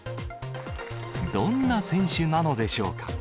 どんな選手なのでしょうか。